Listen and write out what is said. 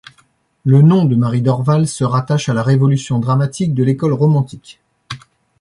Le nom de Marie Dorval se rattache à la révolution dramatique de l’école romantique.